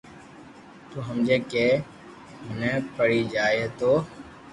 تو ھمجي ڪي منين پڙي جائي تو